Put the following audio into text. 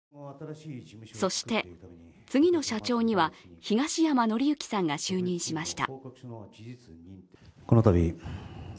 そして、次の社長には東山紀之さんが就任しました。